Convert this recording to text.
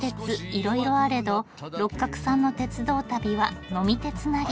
いろいろあれど六角さんの鉄道旅は呑み鉄なり。